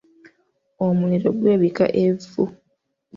Omuliro gwebikka evvu.